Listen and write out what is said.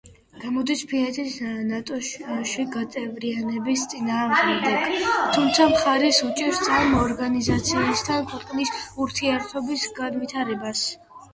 გამოდის ფინეთის ნატოში გაწევრიანების წინააღმდეგ, თუმცა მხარს უჭერს ამ ორგანიზაციასთან ქვეყნის ურთიერთობის განვითარებას.